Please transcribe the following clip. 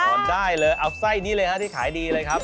ได้เลยเอาไส้นี้เลยฮะที่ขายดีเลยครับ